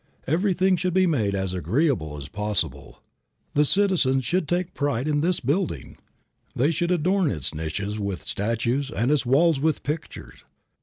Everything should be made as agreeable as possible. The citizens should take pride in this building. They should adorn its niches with statues and its walls with pictures.